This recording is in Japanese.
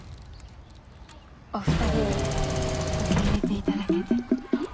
お二人に受け入れて頂けて。